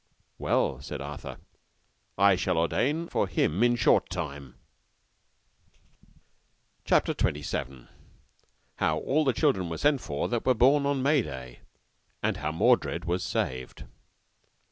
Well, said Arthur, I shall ordain for him in short time. CHAPTER XXVII. How all the children were sent for that were born on May day, and how Mordred was saved.